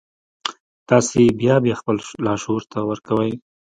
تاسې يې بيا بيا خپل لاشعور ته ورکوئ.